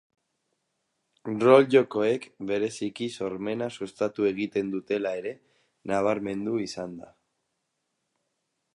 Rol-jokoek bereziki sormena sustatu egiten dutela ere nabarmendu izan da.